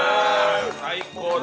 最高だ。